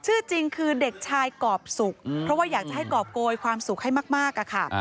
ชื่อจริงคือเด็กชายกรอบสุขเพราะว่าอยากจะให้กรอบโกยความสุขให้มากอะค่ะ